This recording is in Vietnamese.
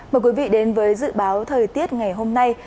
mời quý vị đến với dự báo thời tiết ngày hôm nay